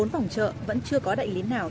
bốn phòng chợ vẫn chưa có đại lý nào